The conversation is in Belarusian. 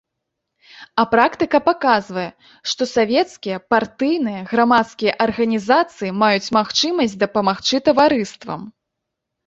А практыка паказвае, што савецкія, партыйныя, грамадскія арганізацыі маюць магчымасць дапамагчы таварыствам.